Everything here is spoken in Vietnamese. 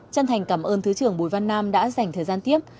chân thành cảm ơn thứ trưởng bùi văn nam đã dành thời gian tiếp